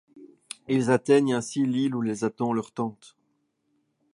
Ils atteignent ainsi l'île où les attend leur tante.